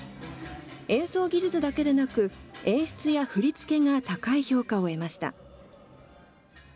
演奏技術だけでなく、演出や振り付けが高い評価を得ました。